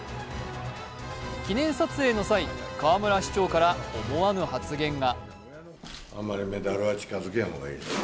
記念撮影の際、河村市長から思わぬ発言が。